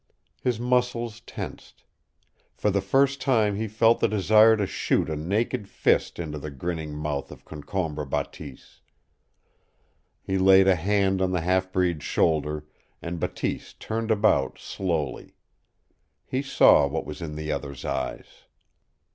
His muscles tensed. For the first time he felt the desire to shoot a naked fist into the grinning mouth of Concombre Bateese. He laid a hand on the half breed's shoulder, and Bateese turned about slowly. He saw what was in the other's eyes.